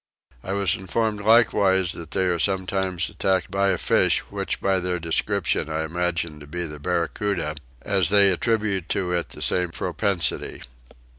I was informed likewise that they were sometimes attacked by a fish which by their description I imagine to be the barracoota, as they attribute to it the same propensity.